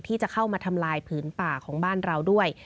ที่จะเข้ามาทำลายผืนป่าของบ้านเราด้วย